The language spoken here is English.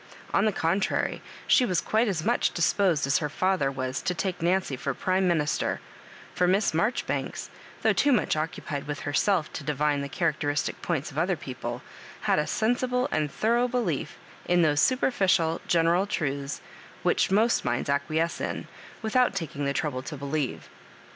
On the contrary, she was quite as much disposed as her &ther was to take Nancy for prime minister; for Miss Marjoribanks, though too much occupied with herself to divine the cha racteristic points of other people, had a sensible and thorough belief in those superficial genera truths whidi most minds acquiesce in, without taking the trouble to believe.